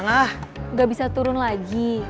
gak bisa turun lagi